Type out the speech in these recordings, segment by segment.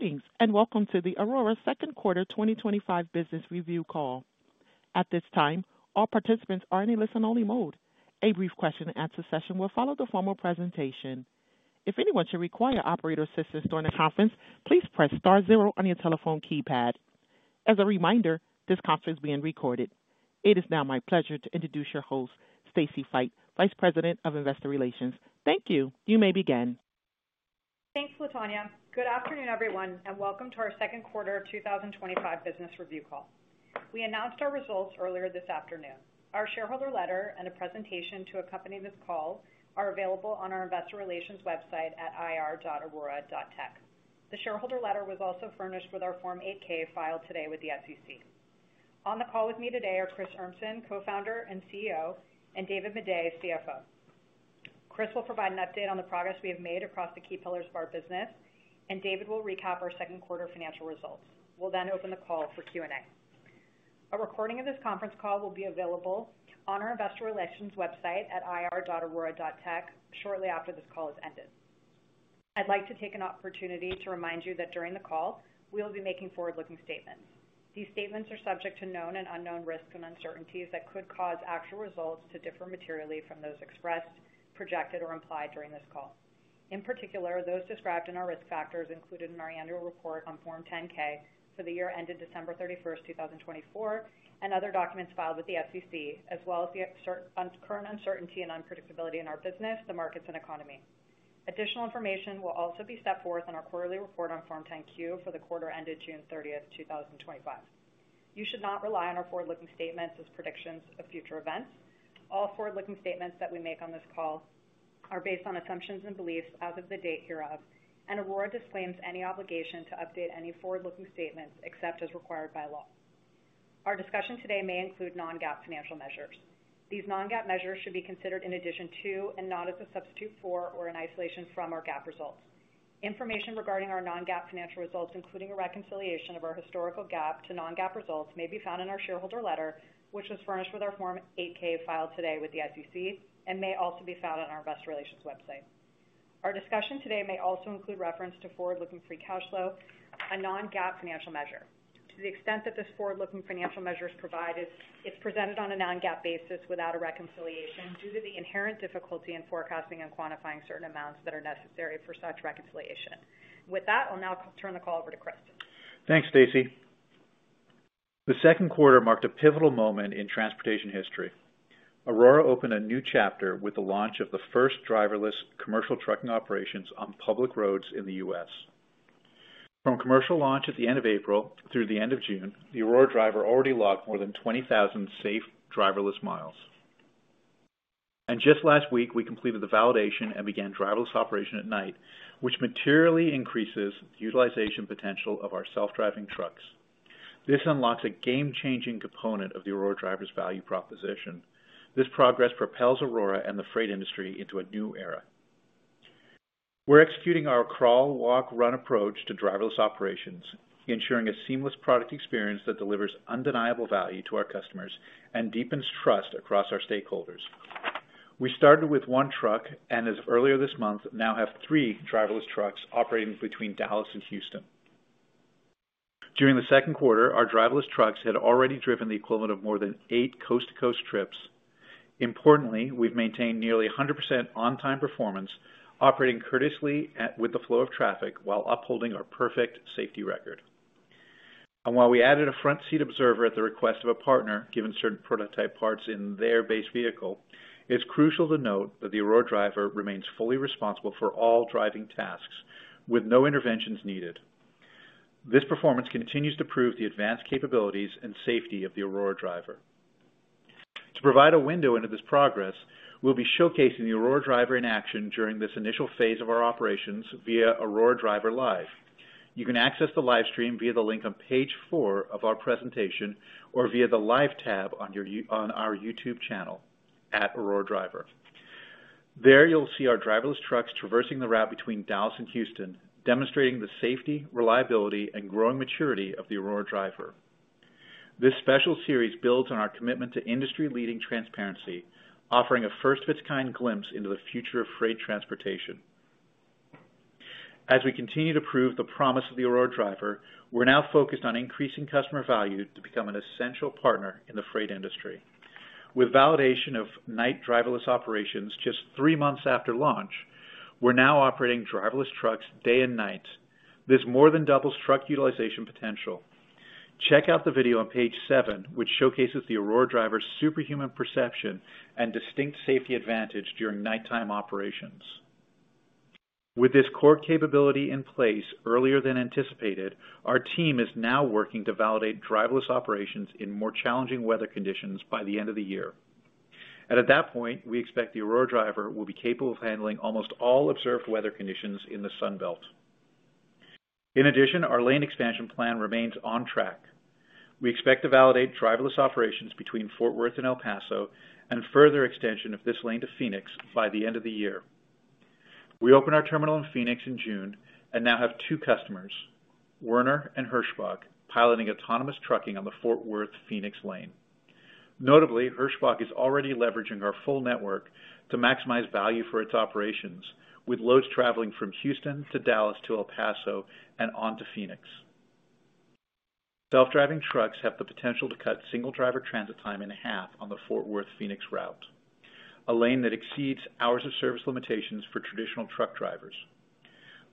Greetings and welcome to the Aurora second quarter 2025 business review call. At this time, all participants are in a listen only mode. A brief question and answer session will follow the formal presentation. If anyone should require operator assistance during the conference, please press star 0 on your telephone keypad. As a reminder, this conference is being recorded. It is now my pleasure to introduce your host, Stacy Feit, Vice President of Investor Relations. Thank you. You may begin. Thanks Latonya. Good afternoon everyone and welcome to our second quarter 2025 business review call. We announced our results earlier this afternoon. Our shareholder letter and a presentation to accompany this call are available on our Investor Relations website at ir.aurora.tech. The shareholder letter was also furnished with our Form 8-K filed today with the SEC. On the call with me today are Chris Urmson, Co-Founder and CEO, and David Maday, CFO. Chris will provide an update on the progress we have made across the key pillars of our business and David will recap our second quarter financial results. We'll then open the call for Q and A. A recording of this conference call will be available on our Investor Relations website at ir.aurora.tech shortly after this call has ended. I'd like to take an opportunity to remind you that during the call we will be making forward-looking statements. These statements are subject to known and unknown risks and uncertainties that could cause actual results to differ materially from those expressed, projected, or implied during this call. In particular, those described in our risk factors included in our annual report on Form 10-K for the year ended December 31, 2024 and other documents filed with the SEC, as well as the current uncertainty and unpredictability in our business, the markets, and economy. Additional information will also be set forth in our quarterly report on Form 10-Q for the quarter ended June 30, 2025. You should not rely on our forward-looking statements as predictions of future events. All forward-looking statements that we make on this call are based on assumptions and beliefs as of the date hereof and Aurora disclaims any obligation to update any forward-looking statements except as required by law. Our discussion today may include non-GAAP financial measures. These non-GAAP measures should be considered in addition to and not as a substitute for or in isolation from our GAAP results. Information regarding our non-GAAP financial results, including a reconciliation of our historical GAAP to non-GAAP results, may be found in our shareholder letter which was furnished with our Form 8-K filed today with the SEC and may also be found on our Investor Relations website. Our discussion today may also include reference to forward-looking free cash flow, a non-GAAP financial measure. To the extent that this forward-looking financial measure is provided, it's presented on a non-GAAP basis without a reconciliation due to the inherent difficulty in forecasting and quantifying certain amounts that are necessary for such reconciliation. With that, I'll now turn the call over to Chris. Thanks Stacy. The second quarter marked a pivotal moment in transportation history. Aurora opened a new chapter with the launch of the first driverless commercial trucking operations on public roads in the U.S. From commercial launch at the end of April through the end of June, the Aurora Driver already logged more than 20,000 safe driverless miles. Just last week we completed the validation and began driverless operation at night, which materially increases utilization potential of our self-driving trucks. This unlocks a game-changing component of the Aurora Driver's value proposition. This progress propels Aurora and the freight industry into a new era. We're executing our crawl, walk, run approach to driverless operations, ensuring a seamless product experience that delivers undeniable value to our customers and deepens trust across our stakeholders. We started with one truck and as of earlier this month now have three driverless trucks operating between Dallas and Houston. During the second quarter, our driverless trucks had already driven the equivalent of more than eight coast-to-coast trips. Importantly, we've maintained nearly 100% on-time performance, operating courteously with the flow of traffic while upholding our perfect safety record. While we added a front seat observer at the request of a partner given certain prototype parts in their base vehicle, it's crucial to note that the Aurora Driver remains fully responsible for all driving tasks with no interventions needed. This performance continues to prove the advanced capabilities and safety of the Aurora Driver. To provide a window into this progress, we'll be showcasing the Aurora Driver in action during this initial phase of our operations via Aurora Driver Live. You can access the live stream via the link on page four of our presentation or via the live tab on our YouTube channel at Aurora Driver. There you'll see our driverless trucks traversing the route between Dallas and Houston, demonstrating the safety, reliability, and growing maturity of the Aurora Driver. This special series builds on our commitment to industry-leading transparency, offering a first-of-its-kind glimpse into the future of freight transportation. As we continue to prove the promise of the Aurora Driver, we're now focused on increasing customer value to become an essential partner in the freight industry. With validation of Knight Driverless Operations just three months after launching, we're now operating driverless trucks day and night. This more than doubles truck utilization potential. Check out the video on page seven, which showcases the Aurora Driver's superhuman perception and distinct safety advantage during nighttime operations. With this core capability in place earlier than anticipated, our team is now working to validate driverless operations in more challenging weather conditions by the end of the year, and at that point we expect the Aurora Driver will be capable of handling almost all observed weather conditions in the Sun Belt. In addition, our lane expansion plan remains on track. We expect to validate driverless operations between Fort Worth and El Paso and further extension of this lane to Phoenix by the end of the year. We open our terminal in Phoenix in June and now have two customers, Werner and Hirschbach, piloting autonomous trucking on the Fort Worth Phoenix lane. Notably, Hirschbach is already leveraging our full network to maximize value for its operations. With loads traveling from Houston to Dallas to El Paso and onto Phoenix, self-driving trucks have the potential to cut single driver transit time in half on the Fort Worth Phoenix route, a lane that exceeds hours of service limitations for traditional truck drivers.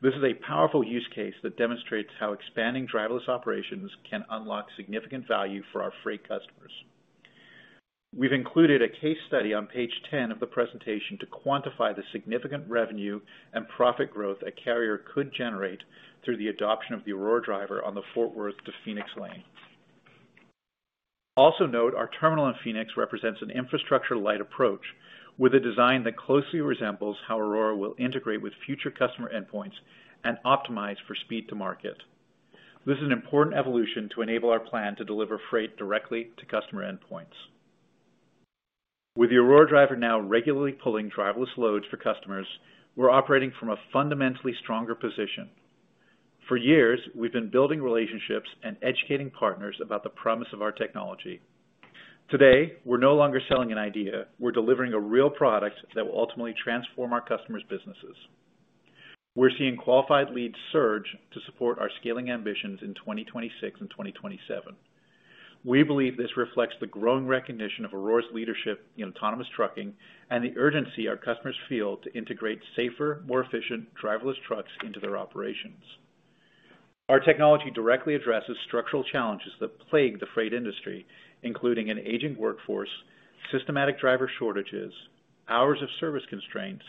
This is a powerful use case that demonstrates how expanding driverless operations can unlock significant value for our freight customers. We've included a case study on page 10 of the presentation to quantify the significant revenue and profit growth a carrier could generate through the adoption of the Aurora Driver on the Fort Worth to Phoenix lane. Also note, our terminal in Phoenix represents an infrastructure light approach with a design that closely resembles how Aurora will integrate with future customer endpoints and optimize for speed to market. This is an important evolution to enable our plan to deliver freight directly to customer endpoints. With the Aurora Driver now regularly pulling driverless loads for customers, we're operating from a fundamentally stronger position. For years, we've been building relationships and educating partners about the promise of our technology. Today, we're no longer selling an idea, we're delivering a real product that will ultimately transform our customers' businesses. We're seeing qualified leads surge to support our scaling ambitions in 2026 and 2027. We believe this reflects the growing recognition of Aurora's leadership in autonomous trucking and the urgency our customers feel to integrate safer, more efficient driverless trucks into their operations. Our technology directly addresses structural challenges that plague the freight industry, including an aging workforce, systematic driver shortages, hours of service constraints,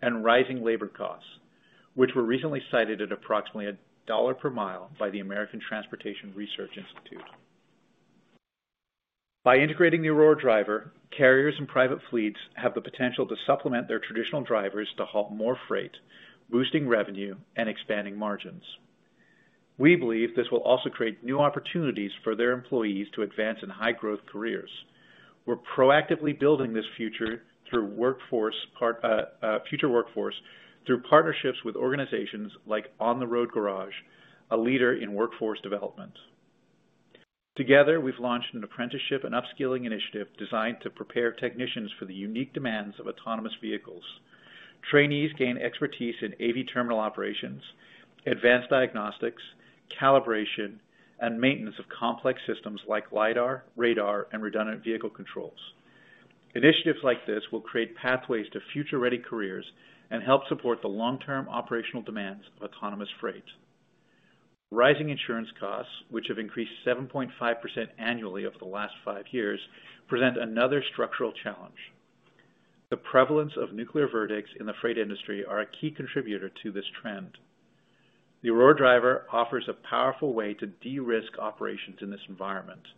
and rising labor costs, which were recently cited at approximately $1 per mile by the American Transportation Research Institute. By integrating the Aurora Driver, carriers and private fleets have the potential to supplement their traditional drivers to haul more freight, boosting revenue and expanding margins. We believe this will also create new opportunities for their employees to advance in high growth careers. We are proactively building this future workforce through partnerships with organizations like On the Road Garage, a leader in workforce development. Together we have launched an apprenticeship and upskilling initiative designed to prepare technicians for the unique demands of autonomous vehicles. Trainees gain expertise in AV terminal operations, advanced diagnostics, calibration, and maintenance of complex systems like LiDAR, radar, and redundant vehicle controls. Initiatives like this will create pathways to future-ready careers and help support the long-term operational demands of autonomous freight. Rising insurance costs, which have increased 7.5% annually over the last five years, present another structural challenge. The prevalence of nuclear verdicts in the freight industry is a key contributor to this trend. The Aurora Driver offers a powerful way to de-risk operations in this environment.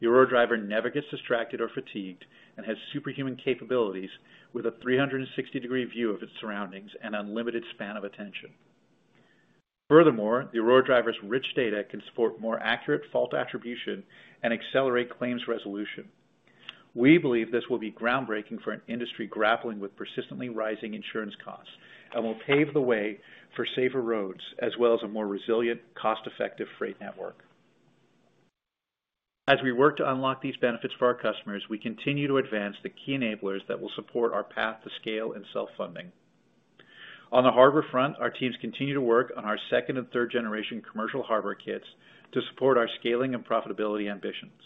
The Aurora Driver never gets distracted or fatigued and has superhuman capabilities with a 360 degree view of its surroundings and unlimited span of attention. Furthermore, the Aurora Driver's rich data can support more accurate fault attribution and accelerate claims resolution. We believe this will be groundbreaking for an industry grappling with persistently rising insurance costs and will pave the way for safer roads as well as a more resilient, cost-effective freight network. As we work to unlock these benefits for our customers, we continue to advance the key enablers that will support our path to scale and self-funding. On the harbor front, our teams continue to work on our second and third generation commercial hardware kits to support our scaling and profitability ambitions.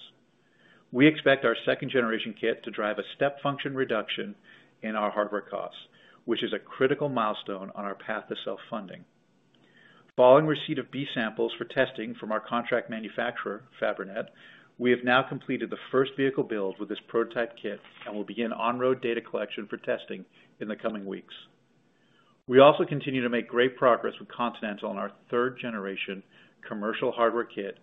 We expect our second generation kit to drive a step function reduction in our hardware costs, which is a critical milestone on our path to self funding. Following receipt of B samples for testing from our contract manufacturer Fabrinet, we have now completed the first vehicle build with this prototype kit and will begin on road data collection for testing in the coming weeks. We also continue to make great progress with Continental on our third generation commercial hardware kit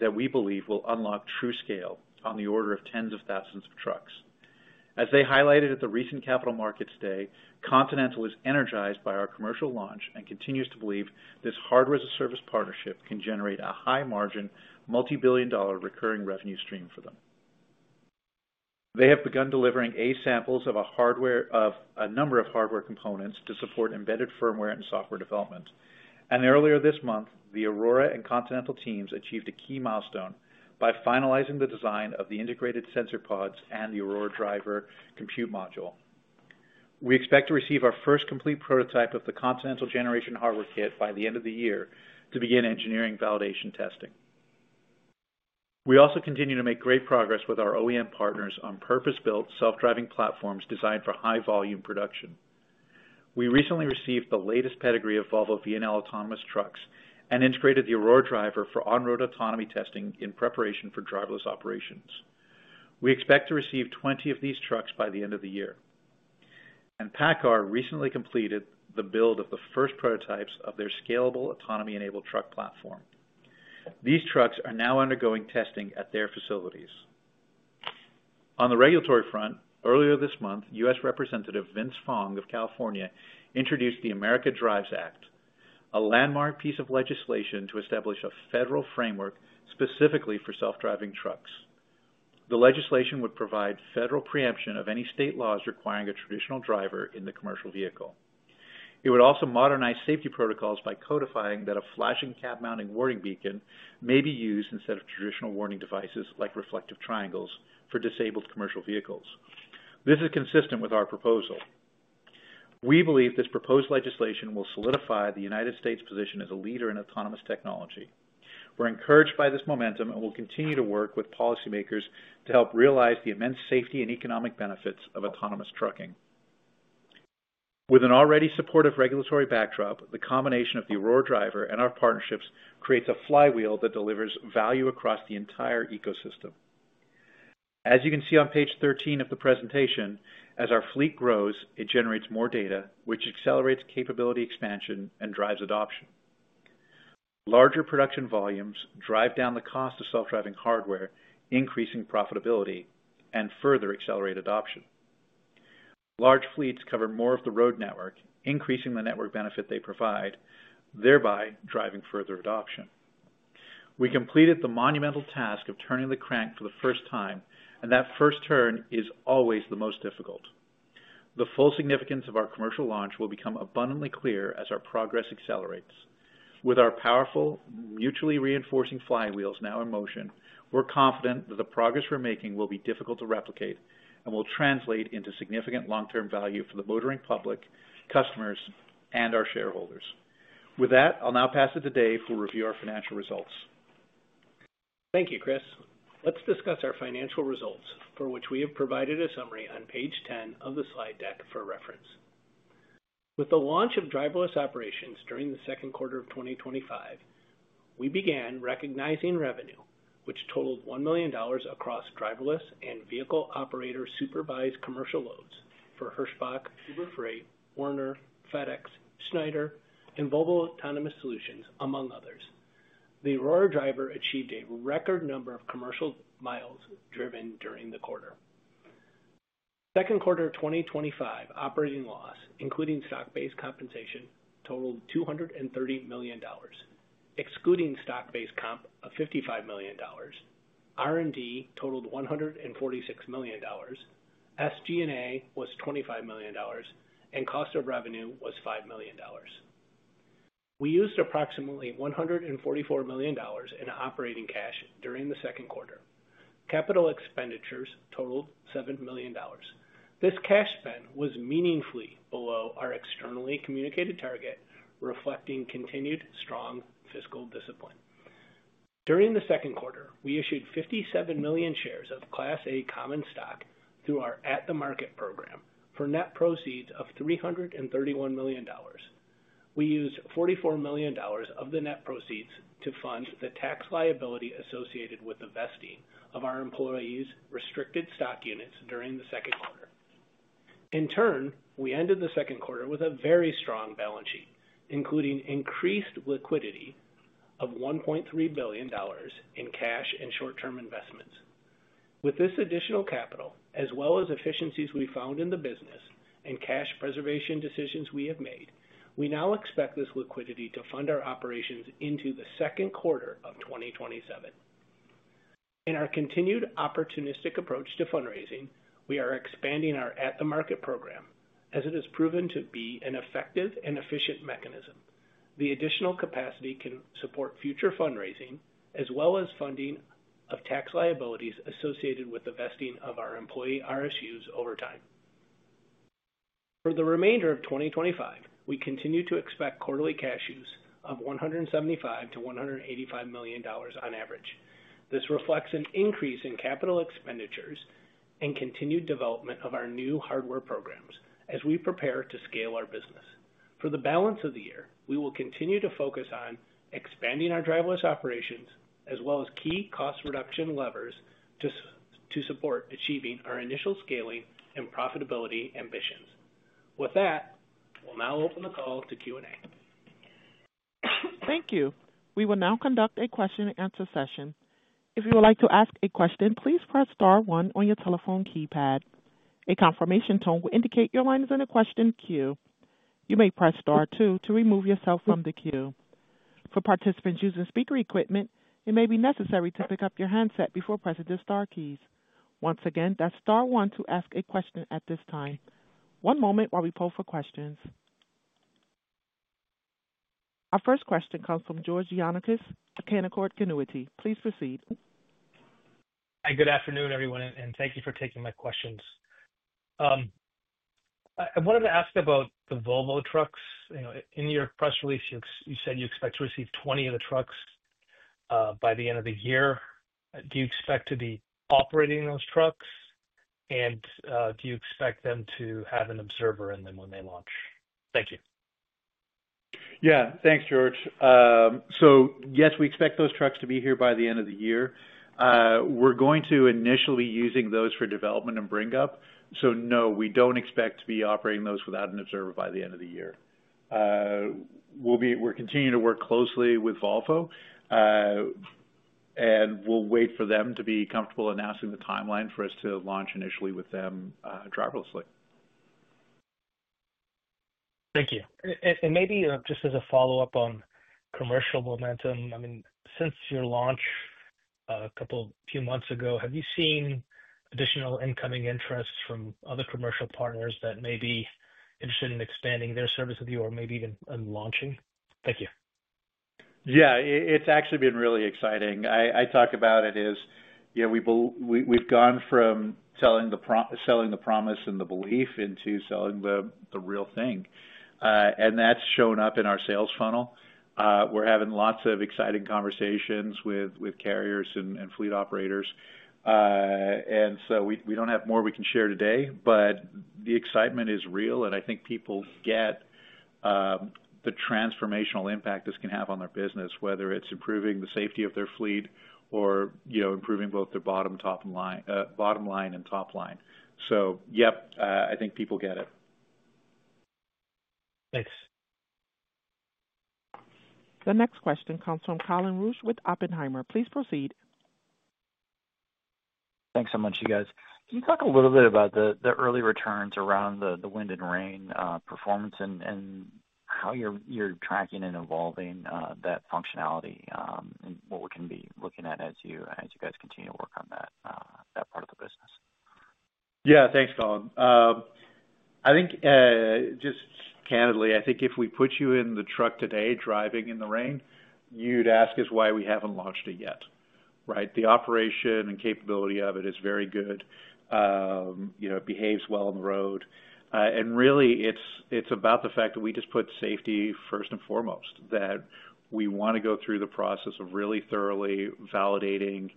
that we believe will unlock true scale on the order of tens of thousands of trucks. As they highlighted at the recent capital markets day, Continental is energized by our commercial launch and continues to believe this hardware as a service partnership can generate a high margin multi-billion dollar recurring revenue stream for them. They have begun delivering A samples of a number of hardware components to support embedded firmware and software development, and earlier this month the Aurora and Continental teams achieved a key milestone by finalizing the design of the integrated sensor pods and the Aurora Driver compute module. We expect to receive our first complete prototype of the Continental generation hardware kit by the end of the year to begin engineering validation testing. We also continue to make great progress with our OEM partners on purpose built self-driving platforms designed for high volume production. We recently received the latest pedigree of Volvo VNL Autonomous trucks and integrated the Aurora Driver for on road autonomy testing in preparation for driverless operations. We expect to receive 20 of these trucks by the end of the year, and PACCAR recently completed the build of the first prototypes of their scalable autonomy enabled truck platform. These trucks are now undergoing testing at their facilities. On the regulatory front, earlier this month U.S. Representative Vince Fong of California introduced the AMERICA DRIVES Act, a landmark piece of legislation to establish a federal framework specifically for self-driving trucks. The legislation would provide federal preemption of any state laws requiring a traditional driver in the commercial vehicle. It would also modernize safety protocols by codifying that a flashing cab mounting warning beacon may be used instead of traditional warning devices like reflective triangles for disabled commercial vehicles. This is consistent with our proposal. We believe this proposed legislation will solidify the United States position as a leader in autonomous technology. We're encouraged by this momentum and will continue to work with policymakers to help realize the immense safety and economic benefits of autonomous trucking. With an already supportive regulatory backdrop, the combination of the Aurora Driver and our partnerships creates a flywheel that delivers value across the entire ecosystem. As you can see on page 13 of the presentation, as our fleet grows, it generates more data which accelerates capability expansion and drives adoption. Larger production volumes drive down the cost of self driving hardware, increasing profitability and further accelerate adoption. Large fleets cover more of the road network, increasing the network benefit they provide, thereby driving further adoption. We completed the monumental task of turning the crank for the first time, and that first turn is always the most difficult. The full significance of our commercial launch will become abundantly clear as our progress accelerates. With our powerful, mutually reinforcing flywheels now in motion, we're confident that the progress we're making will be difficult to replicate and will translate into significant long-term value for the motoring public, customers and our shareholders. With that, I'll now pass it to Dave who will review our financial results. Thank you, Chris. Let's discuss our financial results for which we have provided a summary on page 10 of the slide deck for reference. With the launch of driverless operations during the second quarter of 2025, we began recognizing revenue which totaled $1 million across driverless and vehicle operator supervised commercial loads for Hirschbach, Uber Freight, Werner, FedEx, Schneider, and Volvo Autonomous Solutions, among others. The Aurora Driver achieved a record number of commercial miles driven during the quarter. Second quarter 2025 operating loss including stock-based compensation totaled $230 million, excluding stock-based comp of $55 million. R&D totaled $146 million. SG&A was $25 million and cost of revenue was $5 million. We used approximately $144 million in operating cash during the second quarter. Capital expenditures totaled $7 million. This cash spend was meaningfully below our externally communicated target range, reflecting continued strong fiscal discipline. During the second quarter, we issued 57 million shares of Class A common stock through our at-the-market program for net proceeds of $331 million. We used $44 million of the net proceeds to fund the tax liability associated with the vesting of our employees' restricted stock units during the second quarter. In turn, we ended the second quarter with a very strong balance sheet including increased liquidity of $1.3 billion in cash and short-term investments. With this additional capital, as well as efficiencies we found in the business and cash preservation decisions we have made, we now expect this liquidity to fund our operations into the second quarter of 2027. In our continued opportunistic approach to fundraising, we are expanding our at-the-market program as it has proven to be an effective and efficient mechanism. The additional capacity can support future fundraising as well as funding of tax liabilities associated with the vesting of our employee RSUs over time. For the remainder of 2025, we continue to expect quarterly cash use of $175-$185 million on average. This reflects an increase in capital expenditures and continued development of our new hardware programs. As we prepare to scale our business for the balance of the year, we will continue to focus on expanding our driverless operations as well as key cost reduction levers to support achieving our initial scaling and profitability ambitions. With that, we'll now open the call to Q and A. Thank you. We will now conduct a question-and-answer session. If you would like to ask a question, please press star one on your telephone keypad. A confirmation tone will indicate your line is in a question queue. You may press star two to remove yourself from the queue. For participants using speaker equipment, it may be necessary to pick up your handset before pressing the Star keys. Once again, that's Star one to ask a question at this time. One moment while we poll for questions, our first question comes from George Gianarikas of Canaccord Genuity. Please proceed. Hi, good afternoon, everyone, and thank you for taking my questions. I wanted to ask about the Volvo trucks. In your press release, you said you expect to receive 20 of the trucks by the end of the year. Do you expect to be operating those trucks, and do you expect them to have an observer in them when they launch? Thank you. Yeah, thanks, George. Yes, we expect those trucks to be here by the end of the year. We're going to initially using those for development and bring up. No, we don't expect to be operating those without an observer by the end of the year. We're continuing to work closely with Volvo, and we'll wait for them to be comfortable announcing the timeline for us to launch initially with them driverlessly. Thank you. Maybe just as a follow up on commercial momentum. I mean, since your launch a couple few months ago, have you seen additional incoming interests from other commercial partners that may be interested in expanding their service with you or maybe even launching? Thank you. Yeah, it's actually been really exciting. I talk about it as we've gone from selling the promise and the belief into selling the real thing, and that's shown up in our sales funnel. We're having lots of exciting conversations with carriers and fleet operators and we don't have more we can share today, but the excitement is real and I think people get the transformational impact this can have on their business, whether it's improving the safety of their fleet or, you know, improving both their bottom line and top line. Yep, I think people get it. Thanks. The next question comes from Colin Rusch with Oppenheimer. Please proceed. Thanks so much, you guys. Can you talk a little bit about the early returns around the wind and rain performance and how you're tracking and evolving that functionality and what we can be looking at as you guys continue to work on that part of the business. Yeah, thanks, Colin. I think, just candidly, I think if we put you in the truck today, driving in the rain, you'd ask us why we haven't launched it yet. Right. The operation and capability of it is very good. It behaves well on the road. It is really about the fact that we just put safety first and foremost, that we want to go through the process of really thoroughly validating,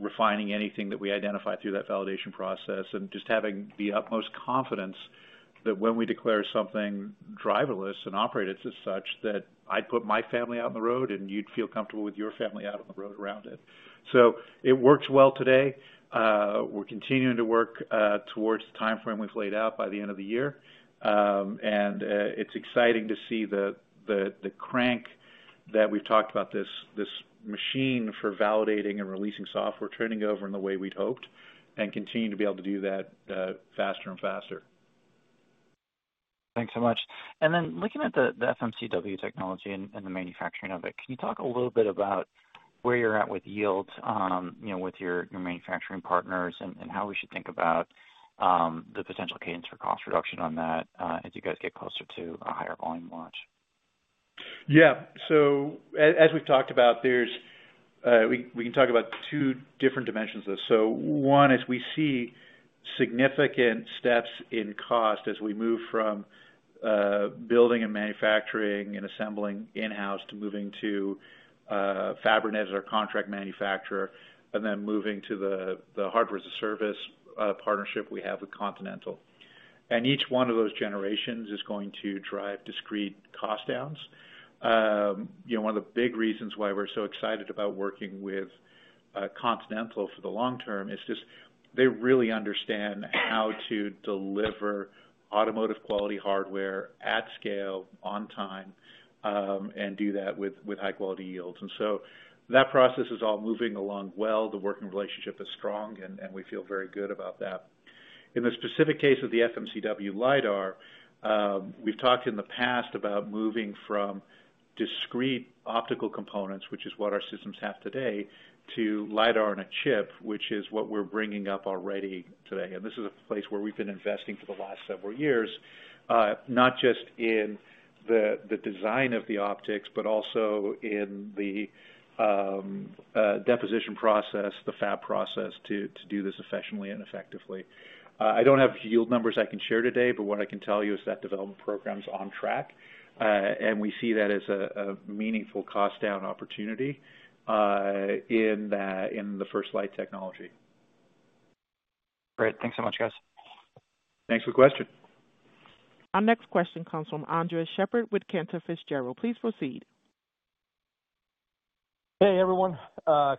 refining anything that we identify through that validation process, and just having the utmost confidence that when we declare something driverless and operate it as such, that I'd put my family out on the road and you'd feel comfortable with your family out on the road around it. It works well today. We're continuing to work towards the timeframe we've laid out by the end of the year. It is exciting to see the crank that we've talked about, this machine for validating and releasing software, turning over in the way we'd hoped and continue to be able to do that faster and faster. Thanks so much. Looking at the FMCW technology and the manufacturing of it, can you talk a little bit about where you're at with yield with your manufacturing partners and how we should think about the potential cadence for cost reduction on that as you guys get closer to a higher volume launch. Yeah, as we've talked about, there's, we can talk about two different dimensions. One is we see significant steps in cost as we move from building and manufacturing and assembling in house to moving to Fabrinet as our contract manufacturer and then moving to the hardware as a service partnership we have with Continental. Each one of those generations is going to drive discrete cost downs. One of the big reasons why we're so excited about working with Continental for the long erm is just they really understand how to deliver automotive quality hardware at scale on time and do that with high quality yields. That process is all moving along well. The working relationship is strong, and we feel very good about that. In the specific case of the FMCW LiDAR, we've talked in the past about moving from discrete optical components, which is what our systems have today, to LiDAR on a chip, which is what we're bringing up already today. This is a place where we've been investing for the last several years, not just in the design of the optics, but also in the deposition process, the fab process to do this efficiently and effectively. I don't have yield numbers I can share today, but what I can tell you is that development program's on track and we see that as a meaningful cost down opportunity in the first light technology. Great. Thanks so much guys. Thanks for the question. Our next question comes from Andres Sheppard with Cantor Fitzgerald, please proceed. Hey everyone,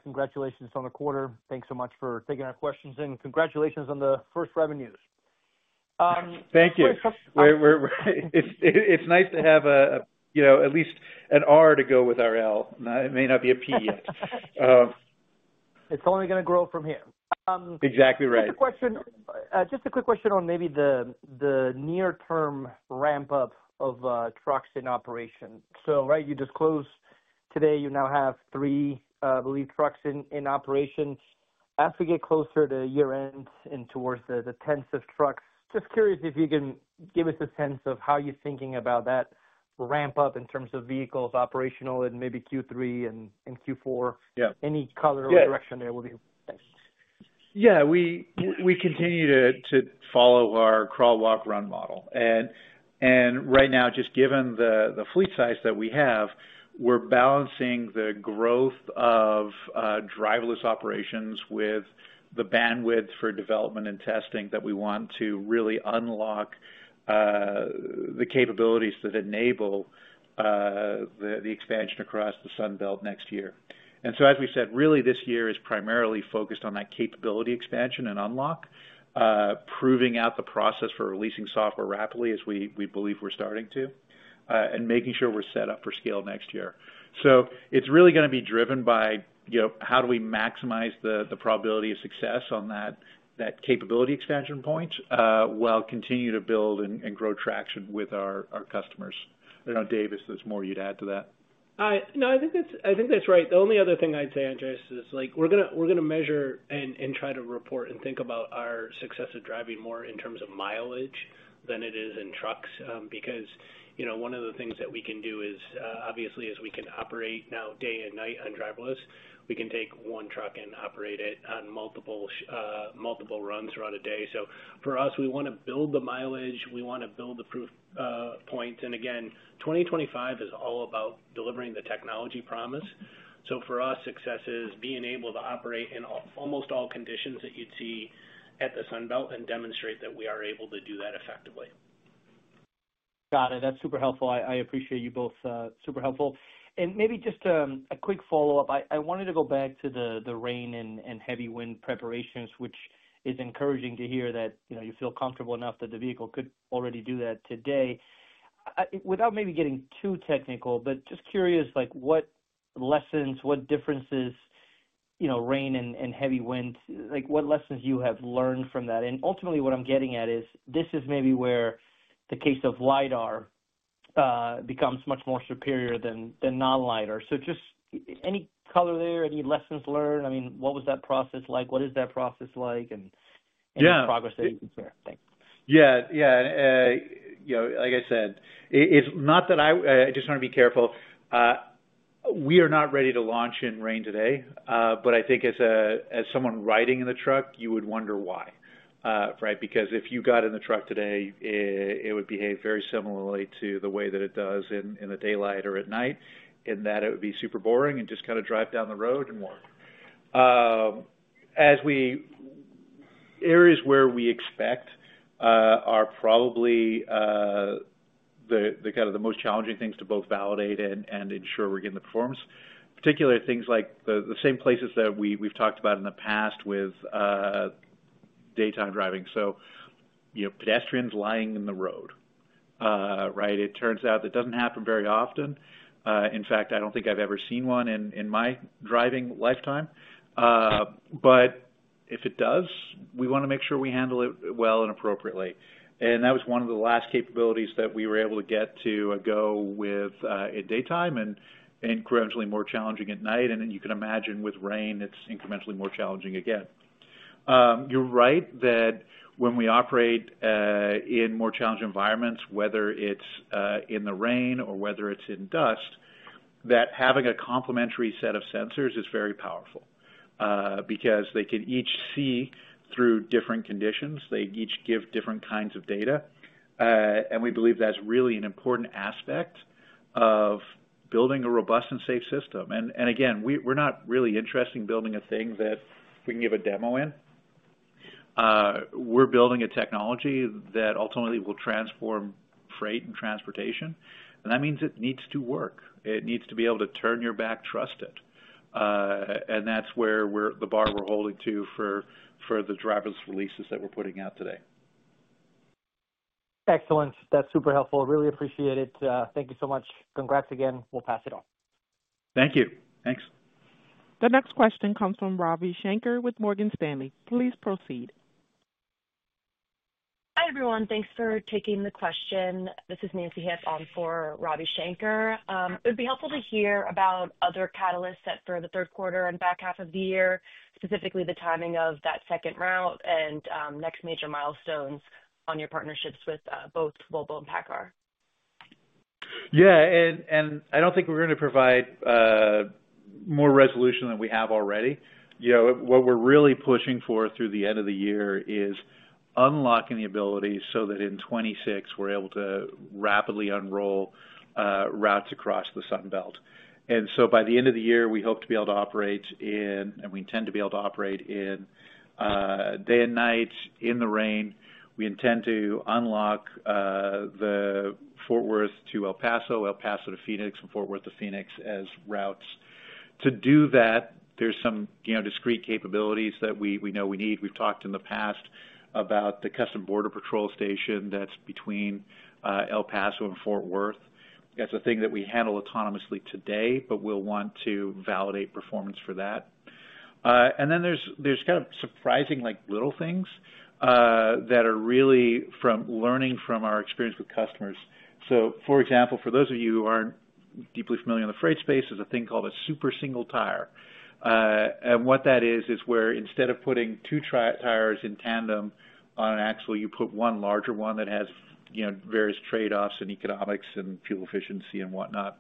congratulations on the quarter. Thanks so much for taking our questions and congratulations on the first revenues. Thank you. It's nice to have at least an R to go with rl. It may not be a P yet. It's only going to grow from here. Exactly right. Question. Just a quick question on maybe the near term ramp up of trucks in operation. Right, you just closed today. You now have three, I believe, trucks in operation. As we get closer to year end and towards the tens of trucks, just curious if you can give us a sense of how you're thinking about that ramp up in terms of vehicles operational in maybe Q3 and Q4. Any color or direction there will be. Yeah, we continue to follow our crawl, walk, run model and right now, just given the fleet size that we have, we're balancing the growth of driverless operations with the bandwidth for development and testing that we want to really unlock the capabilities that enable the expansion across the Sun Belt next year. As we said, really this year is primarily focused on that capability expansion and unlock, proving out the process for releasing software rapidly as we believe we're starting to, and making sure we're set up for scale next year. It's really going to be driven by, you know, how do we maximize the probability of success on that capability expansion point while continuing to build and grow traction with our customers. David, there's more you'd add to that. I know. I think that's. I think that's right. The only other thing I'd say, Andreas, is like, we're going to measure and try to report and think about our success of driving more in terms of mileage than it is in trucks. Because, you know, one of the things that we can do is obviously we can operate now day and night on driverless. We can take one truck and operate it on multiple runs throughout a day. For us, we want to build the mileage, we want to build the proof points. Again, 2025 is all about delivering the technology promise. For us, success is being able to operate in almost all conditions that you'd see at the Sun Belt and demonstrate that we are able to do that effectively. Got it. That's super helpful. I appreciate you both. Super helpful. Maybe just a quick follow up, I wanted to go back to the rain and heavy wind preparations. Is encouraging to hear that, you know. You feel comfortable enough that the vehicle could already do that today. without maybe getting too technical. Just curious, like, what lessons, what differences, you know, rain and heavy wind, like what lessons you have learned from that? Ultimately what I'm getting at is this is maybe where the case of LiDAR becomes much more superior than the non LiDAR. Just any color there, any lessons learned? I mean, what was that process like? What is that process like and progress that you can share? Thanks. Yeah, yeah. You know, like I said, it's not that I just want to be careful. We are not ready to launch in rain today, but I think as a, as someone riding in the truck, you would wonder why, right? Because if you got in the truck today, it would behave very similarly to the way that it does in the daylight or at night in that it would be super boring and just kind of drive down the road and work as we. Areas where we expect are probably the kind of the most challenging things to both validate and ensure we're getting the performance. Particularly things like the same places that we've talked about in the past with daytime driving. Pedestrians lying in the road. Right. It turns out that doesn't happen very often. In fact, I don't think I've ever seen one in my driving lifetime. If it does, we want to make sure we handle it well and appropriately. That was one of the last capabilities that we were able to get to go with at daytime and incrementally more challenging at night. You can imagine with rain, it's incrementally more challenging. Again, you're right that when we operate in more challenging environments, whether it's in the rain or whether it's in dust, having a complementary set of sensors is very powerful because they can each see through different conditions, they each give different kinds of data. We believe that's really an important aspect of building a robust and safe system. Again, we're not really interested in building a thing that we can give a demo in. We're building a technology that ultimately will transform freight and transportation. That means it needs to work, it needs to be able to turn your back, trust it. That's where we're the bar we're holding to for the driverless releases that we're putting out today. Excellent. That's super helpful. Really appreciate it. Thank you so much. Congrats again. We'll pass it on. Thank you. Thanks. The next question comes from Ravi Shanker with Morgan Stanley. Please proceed. Hi, everyone. Thanks for taking the question. This is Nancy Hipp on for Robbie Shanker. It would be helpful to hear about other catalysts set for the third quarter and back half of the year, specifically the timing of that second route and next major milestones on your partnerships with both Volvo and PACCAR. Yeah, and I don't think we're going to provide more resolution than we have already. You know, what we're really pushing for through the end of the year is unlocking the ability so that in 2026 we're able to rapidly unroll routes across the Sun Belt. By the end of the year, we hope to be able to operate in, and we intend to be able to operate in, day and night, in the rain. We intend to unlock the Fort Worth to El Paso, El Paso to Phoenix, and Fort Worth to Phoenix as routes. To do that, there's some discrete capabilities that we know we need. We've talked in the past about the Customs Border Patrol station that's between El Paso and Fort Worth. That's a thing that we handle autonomously today, but we'll want to validate performance for that. Then there's kind of surprising little things that are really from learning from our experience with customers. For example, for those of you who aren't deeply familiar, in the freight space is a thing called a super single tire. What that is, is where instead of putting two tires in tandem on an axle, you put one larger one that has, you know, various trade-offs in economics and fuel efficiency and whatnot.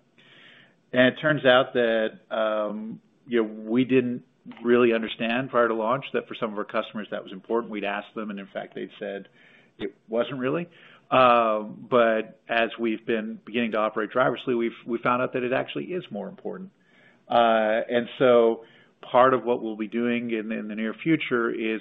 It turns out that, you know, we didn't really understand prior to launch that for some of our customers that was important. We'd ask them, and in fact they'd said it wasn't really. As we've been beginning to operate driverlessly, we found out that it actually is more important. Part of what we'll be doing in the near future is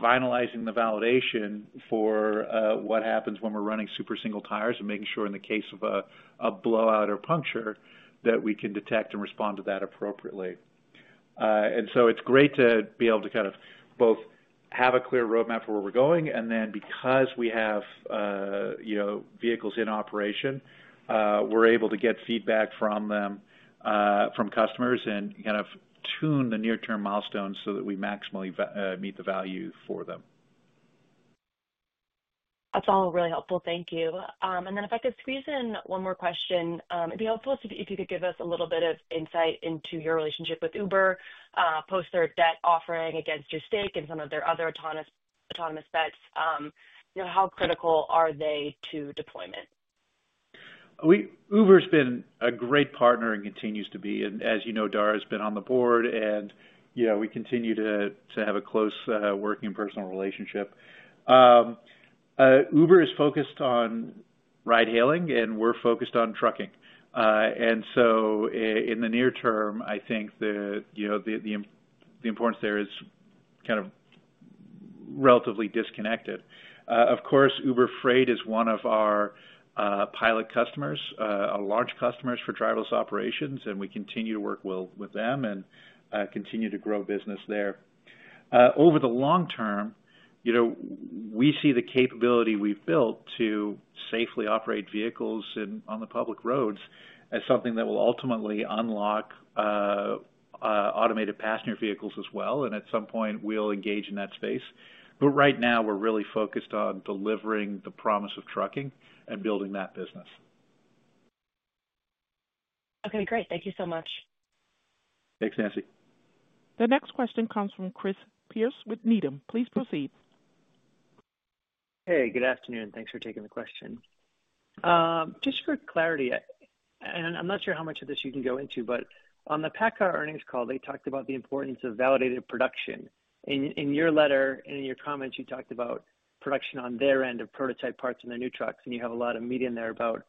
finalizing the validation for what happens when we're running super single tires and making sure in the case of a blowout or puncture that we can detect and respond to that appropriately. It's great to be able to kind of both have a clear roadmap for where we're going. Then because we have, you know, vehicles in operation, we're able to get feedback from them, from customers, and kind of tune the near-term milestones so that we maximally meet the value for them. That's all really helpful, thank you. If I could squeeze in one more question, it'd be helpful if you could give us a little bit of insight into your relationship with Uber, post their debt offering against your stake and some of their other autonomous, autonomous bets, you know, how critical are they to deployment? Uber's been a great partner and continues to be. As you know, Dara has been on the board and, you know, we continue to have a close working, personal relationship. Uber is focused on ride hailing and we're focused on trucking. In the near term, I think that, you know, the importance there is kind of relatively disconnected. Of course, Uber Freight is one of our pilot customers, large customers for driverless operations. We continue to work well with them and continue to grow business there over the long term. You know, we see the capability we've built to safely operate vehicles on the public roads as something that will ultimately unlock automated passenger vehicles as well. At some point we'll engage in that space. Right now we're really focused on delivering the promise of trucking and building that business. Okay, great. Thank you so much. Thanks, Nancy. The next question comes from Chris Pierce with Needham. Please proceed. Hey, good afternoon. Thanks for taking the question. Just for clarity and I'm not sure how much of this you can go into, but on the PACCAR earnings call, they talked about the importance of validated production. In your letter and in your comments, you talked about production on their end of prototype parts and their new trucks. And you have a lot of media in there about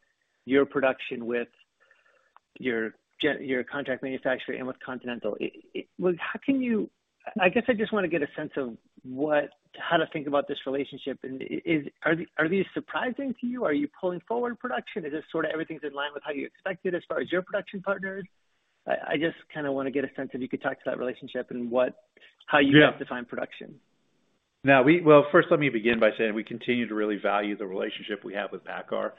your production with your contract manufacturer and with Continental. I guess I just want to get a sense of how to think about this relationship and are these surprising to you? Are you pulling forward production? Is this sort of everything's in line with how you expected as far as your production partner? I just kind of want to get a sense if you could talk to that relationship and what, how you define production now. First, let me begin by saying we continue to really value the relationship we have with PACCAR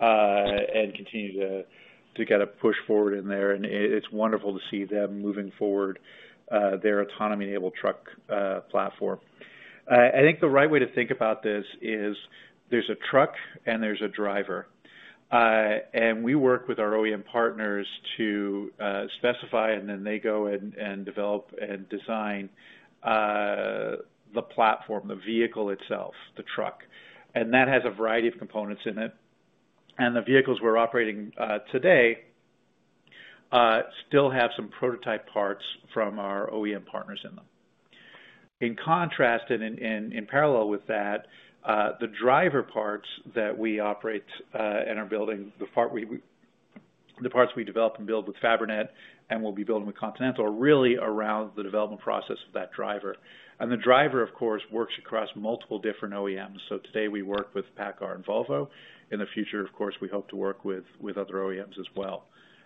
and continue to kind of push forward in there. It's wonderful to see them moving forward their autonomy enabled truck platform. I think the right way to think about this is there's a truck and there's a driver and we work with our OEM partners to specify and then they go and develop and design the platform, the vehicle itself, the truck, and that has a variety of components in it. The vehicles we're operating today. Still have some prototype parts from our OEM partners in them. In contrast and in parallel with that, the driver parts that we operate and are building, the parts we develop and build with Fabrinet and we'll be building with Continental, are really around the development process of that driver. And the driver, of course, works across multiple different OEMs. So today we work with PACCAR and Volvo. In the future, of course, we hope to work with other OEMs as well.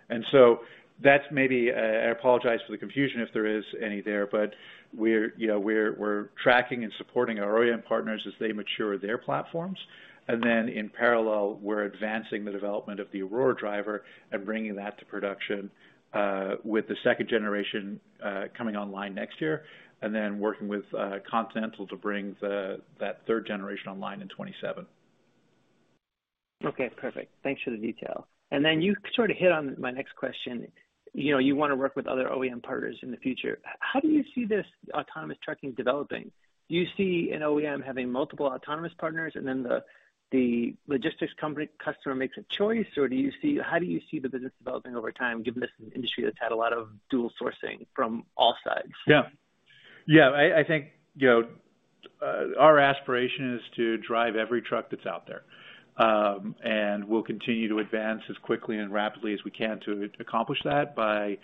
And so that's maybe. I apologize for the confusion if there is any there, but we're tracking and supporting our OEM partners as they mature their platforms. In parallel, we're advancing the development of the Aurora Driver and bringing that to production with the second generation coming online next year and then working with Continental to bring that third generation online in 2027. Okay, perfect. Thanks for the detail. You sort of hit on my next question. You know, you want to work with other OEM partners in the future. How do you see this autonomous trucking developing? Do you see an OEM having multiple autonomous partners and then the logistics company customer makes a choice? How do you see the business developing over time given this industry that's had a lot of dual sourcing from all sides? Yeah, yeah. I think our aspiration is to drive every truck that's out there, and we'll continue to advance as quickly and rapidly as we can to accomplish that by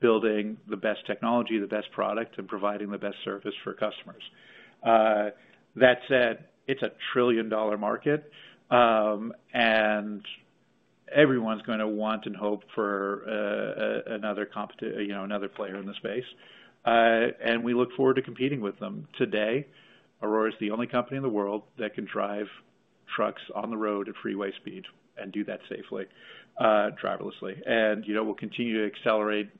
building the best technology, the best product, and providing the best service for customers. That said, it's a trillion dollar market and everyone's going to want and hope for another competition, you know, another player in the space, and we look forward to competing with them. Today, Aurora is the only company in the world that can drive trucks on the road at freeway speed and do that safely, driverlessly. You know, we'll continue to accelerate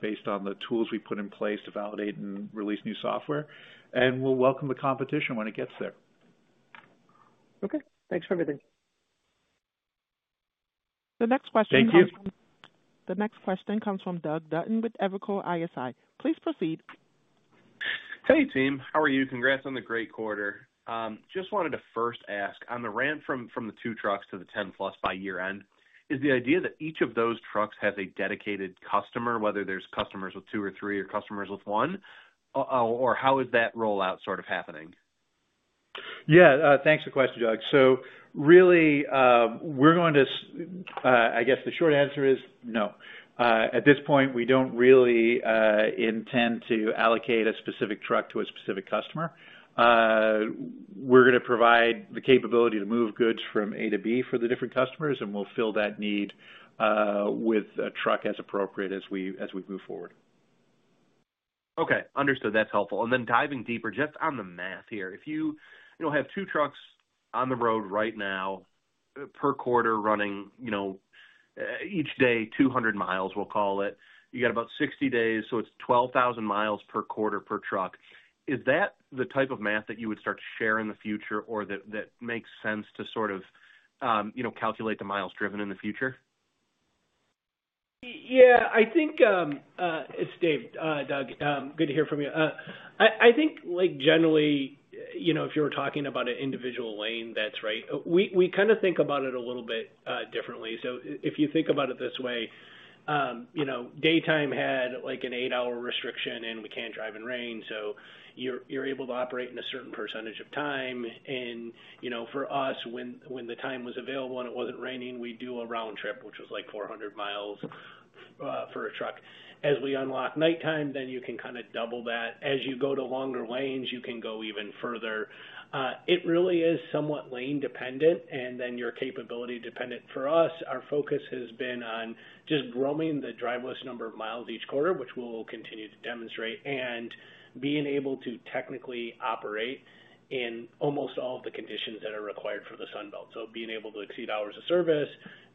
based on the tools we put in place to validate and release new software. We'll welcome the competition when it gets there. Okay, thanks for everything. The next question. The next question comes from Doug Dutton with Evercore ISI. Please proceed. Hey, team, how are you? Congrats on the great quarter. Just wanted to first ask, on the ramp from the two trucks to the ten plus by year end, is the idea that each of those trucks has a dedicated customer, whether there's customers with two or three or customers with one or how is that rollout sort of happening? Yeah, thanks for the question, Doug. So really we're going to. I guess the short answer is no. At this point, we don't really intend to allocate a specific truck to a specific customer. We're going to provide the capability to move goods from A to B for the different customers, and we'll fill that need with a truck as appropriate as we move forward. Okay, understood. That's helpful. And then diving deeper just on the math here. If you have two trucks on the road right now per quarter running, you know, each day, 200 mi, we'll call it. You got about 60 days. So it's 12,000 mi per quarter per truck. Is that the type of math that you would start to share in the future or that that makes sense to sort of, you know, calculate the miles driven in the future? Yeah, I think it's Dave. Doug, good to hear from you. I think, like, generally, you know, if you were talking about an individual lane, that's right. We kind of think about it a little bit differently. If you think about it this way, you know, daytime had like an eight hour restriction and we can't drive in rain, so you're able to operate in a certain percentage of time. You know, for us, when the time was available and it wasn't raining, we do a round trip which was like 400 mi for a truck. As we unlock nighttime, then you can kind of double that. As you go to longer lanes, you can go even further. It really is somewhat lane dependent and then your capability dependent. For us, our focus has been on just growing the driverless number of miles each quarter, which we will continue to demonstrate, and being able to technically operate in almost all of the conditions that are required for the Sun Belt. Being able to exceed hours of service,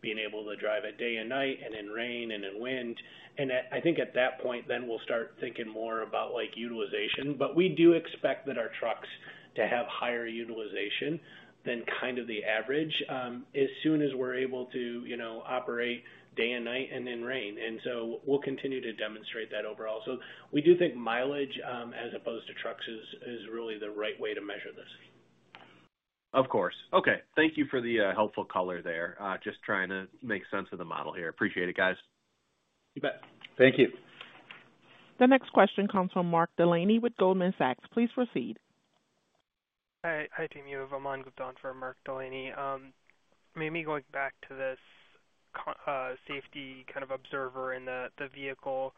being able to drive at day and night and in rain and in wind. I think at that point then we'll start thinking more about like utilization. We do expect that our trucks to have higher utilization than kind of the average as soon as we're able to, you know, operate day and night and in rain. We'll continue to demonstrate that overall. We do think mileage as opposed to trucks is really the right way to measure this. Of course. Okay, thank you for the helpful color there. Just trying to make sense of the model here. Appreciate it, guys. You bet. Thank you. The next question comes from Mark Delaney with Goldman Sachs. Please proceed. Hi team. You have. I'm Amie D’Ambrosio for Mark Delaney. Maybe going back to this safety kind. Of observer in the vehicle,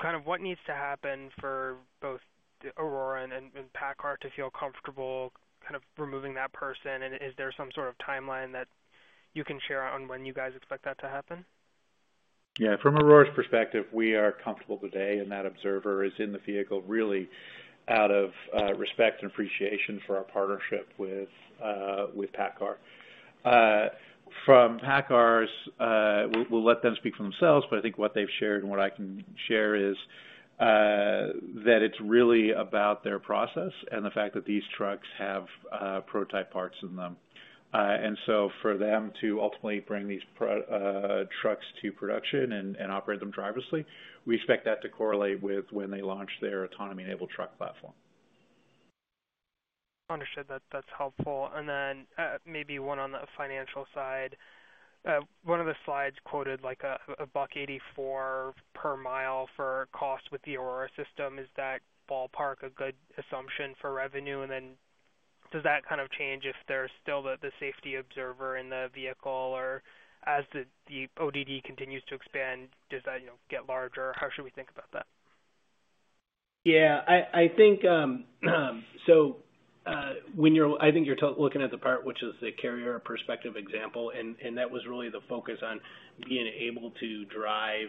kind of what needs to happen for both Aurora. PACCAR to feel comfortable kind of removing that person. Is there some sort of timeline that you can share on when you guys expect that to happen? Yeah, from Aurora's perspective, we are comfortable today and that observer is in the vehicle. Really out of respect and appreciation for our partnership with PACCAR, from PACCAR's, we'll let them speak for themselves. I think what they've shared and what I share is that it's really about their process and the fact that these trucks have prototype parts in them. For them to ultimately bring these trucks to production and operate them driverlessly, we expect that to correlate with when they launch their autonomy enabled truck platform. Understood, that's helpful. Maybe one on the financial side, one of the slides quoted like. A buck eighty-four per mile for cost. With the Aurora system. Is that ballpark a good assumption? Revenue and then does that kind of change if there's still the safety observer in the vehicle? Or as the ODD continues to expand. Does that get larger? How should we think about that? Yeah, I think so. When you're, I think you're looking at the part which is the carrier perspective example and that was really the focus on being able to drive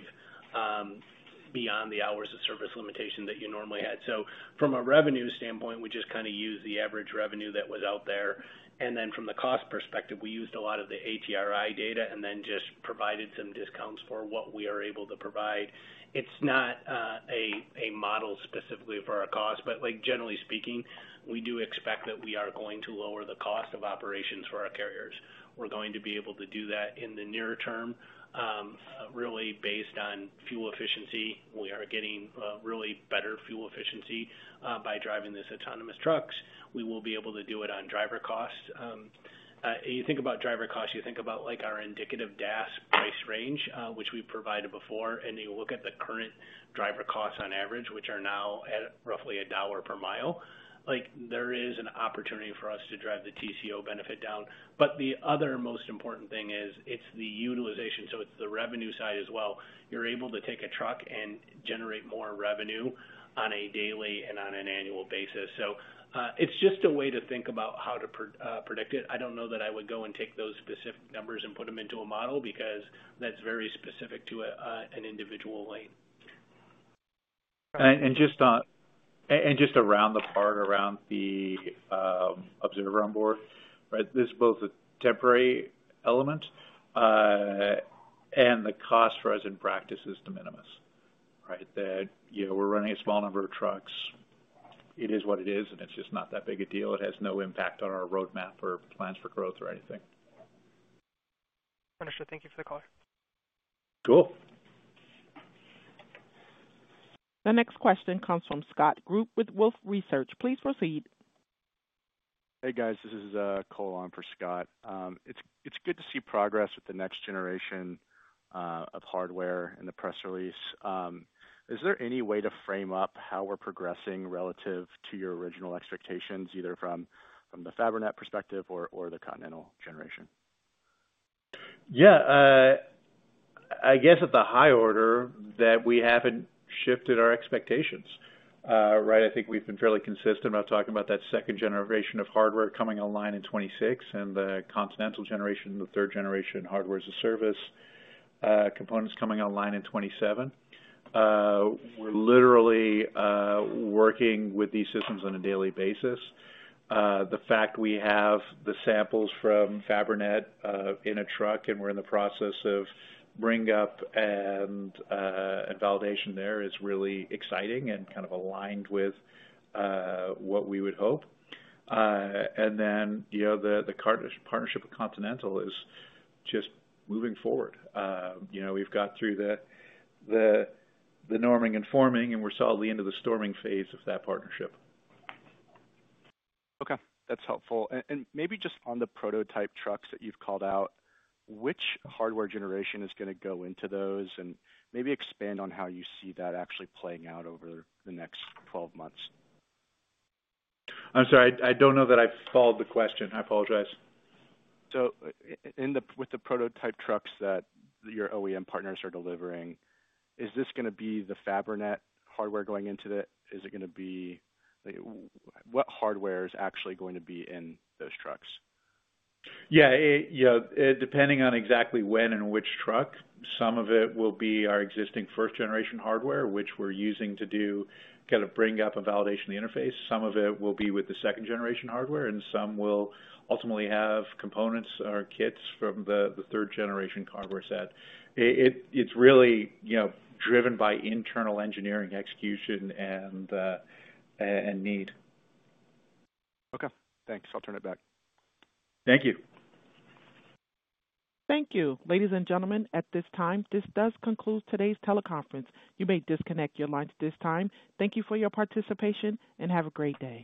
beyond the hours of service limitation that you normally had. From a revenue standpoint we just kind of used the average revenue that was out there. From the cost perspective, we used a lot of the ATRI data and then just provided some discounts for what we are able to provide. It's not a model specifically for our cost, but like generally speaking we do expect that we are going to lower the cost of operations for our carriers. We're going to be able to do that in the near term really based on, on fuel efficiency. We are getting really better fuel efficiency by driving these autonomous trucks. We will be able to do it. On driver costs, you think about driver costs, you think about like our indicative Gas price-range which we provided before and you look at the current driver costs on average which are now at roughly $1 per mile, like there is an opportunity for us to drive the TCO benefit down. The other most important thing is it's the utilization. It's the revenue side as well. You're able to take a truck and generate more revenue on a daily and on an annual basis. It's just a way to think about how to predict it. I don't know that I would go and take those specific numbers and put them into a model because that's very specific to an individual lane. Just around the part, around the observer on board. Right. This is both a temporary element and the cost for us in practice is de minimis. Right. That you know, we're running a small number of trucks. It is what it is and it's just not that big a deal. It has no impact on our roadmap or plans for growth or anything. Thank you for the color. Cool. The next question comes from Scott Group with Wolfe Research. Please proceed. Hey guys, this is Cole on for Scott. It's good, it's good to see progress with the next generation of hardware in the press release. Is there any way to frame up how we're progressing relative to your original expectations either from the Fabrinet perspective or the Continental generation? Yeah, I guess at the high order that we haven't shifted our expectations. Right. I think we've been fairly consistent about talking about that second generation of hardware coming online in 2026 and the Continental generation, the third generation hardware as a service components coming online in 2027. We're literally working with these systems on a daily basis. The fact we have the samples from Fabrinet in a truck and we're in the process of bring up and validation there is really exciting and kind of aligned with what we would hope. The partnership with Continental is just moving forward. You know, we've got through the norming and forming and we're solidly into the storming phase of that partnership. Okay, that's helpful. Maybe just on the prototype trucks that you've called out, which hardware generation is going to go into those and maybe expand on how you see that actually playing out over the next 12 months? I'm sorry, I don't know that I followed the question. I apologize. With the prototype trucks that your OEM partners are delivering, is this going to be the Fabrinet hardware going into that? Is it going to be what hardware is actually going to be in those trucks? Yeah, depending on exactly when and which truck. Some of it will be our existing first generation hardware which we're using to do kind of bring up a validation of the interface. Some of it will be with the second generation hardware and some will ultimately have components or kits from the third generation carbon set. It's really, you know, driven by internal engineering execution and need. Okay, thanks. I'll turn it back. Thank you. Thank you. Ladies and gentlemen, at this time, this does conclude today's teleconference. You may disconnect your lines at this time. Thank you for your participation and have a great day.